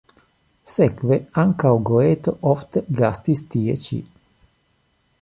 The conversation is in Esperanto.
Sekve ankaŭ Goeto ofte gastis tie ĉi.